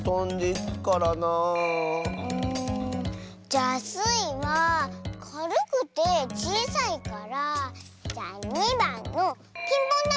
じゃあスイはかるくてちいさいからじゃ２ばんのピンポンだま！